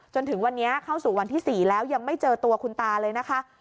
จนถึงวันนี้เข้าสู่วันที่๔แล้วยังไม่เจอตัวคุณตาเลยนะคะ